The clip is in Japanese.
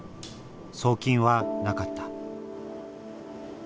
送金はなかった。